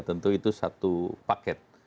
tentu itu satu paket